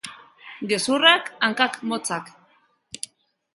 Gezurrak hankak motzak.